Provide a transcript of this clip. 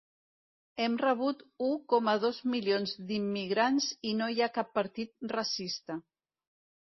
Hem rebut u coma dos milions d’immigrants i no hi ha cap partit racista.